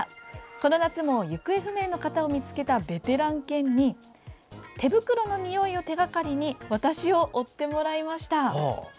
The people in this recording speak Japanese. この夏も、行方不明の方を見つけたベテラン犬に手袋のにおいを手がかりに私を追ってもらいました。